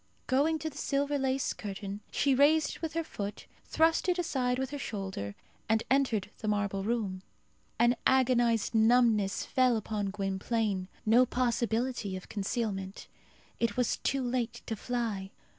Going to the silver lace curtain, she raised it with her foot, thrust it aside with her shoulder, and entered the marble room. An agonized numbness fell upon Gwynplaine. No possibility of concealment. It was too late to fly.